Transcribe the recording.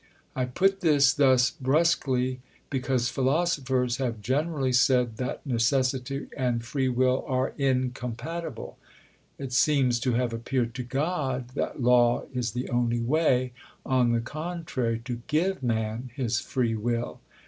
I put this thus brusquely because philosophers have generally said that Necessity and Free Will are incompatible. It seems to have appeared to God that Law is the only way, on the contrary, to give man his free will.